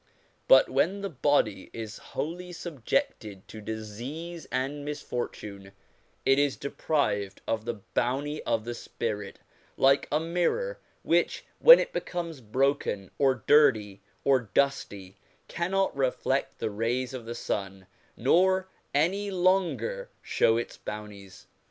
But when the body is wholly subjected to disease and misfortune, it is deprived of the bounty of the spirit; like a mirror which, when it becomes broken, or dirty, or dusty, cannot reflect the rays of the sun, nor any longer show its bounties.